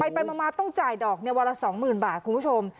ไปไปมามาต้องจ่ายดอกเนี่ยวันละสองหมื่นบาทคุณผู้ชม